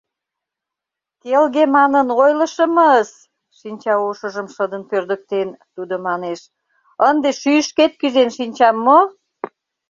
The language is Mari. — Келге манын ойлышымыс! — шинчаошыжым шыдын пӧрдыктен, тудо манеш, — ынде шӱйышкет кӱзен шинчам мо?